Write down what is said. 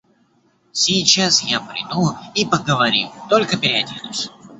Сейчас я приду и поговорим, только переоденусь.